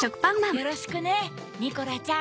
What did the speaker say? よろしくねニコラちゃん。